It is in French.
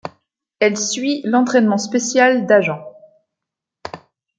Elle suit l'entraînement spécial d'agent.